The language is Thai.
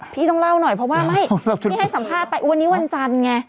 พี่ต้องเล่าหน่อยเพราะว่าไม่พี่ให้สัมภาษณ์ไปวันนี้วันจันทร์ไง